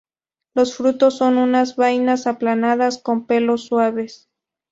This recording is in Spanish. Los frutos son unas vainas aplanadas con pelos suaves.